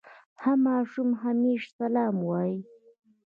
ښه ماشوم همېشه سلام وايي.